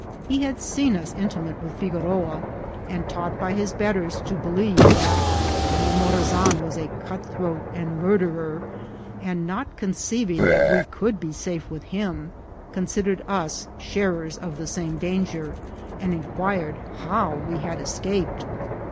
He had seen us intimate with Figoroa, and taught by his betters to believe that General Morazan was a cutthroat and murderer, and not conceiving that we could be safe with him, considered us sharers of the same danger, and inquired how we had escaped.